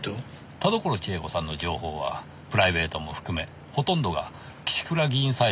田所千枝子さんの情報はプライベートも含めほとんどが岸倉議員サイドからのものです。